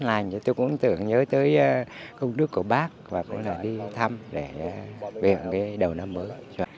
hôm nay tôi cũng tưởng nhớ tới công đức của bác và cũng là đi thăm để viện cái đầu năm mới